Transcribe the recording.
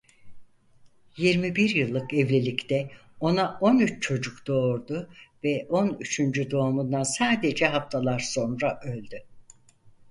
Yirmi bir yıllık evlilikte ona on üç çocuk doğurdu ve on üçüncü doğumundan sadece haftalar sonra öldü.